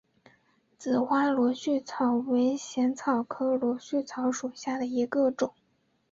紫花螺序草为茜草科螺序草属下的一个种。